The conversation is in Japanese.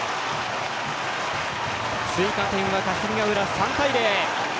追加点は霞ヶ浦、３対０。